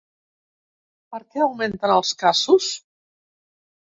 Per què augmenten els casos?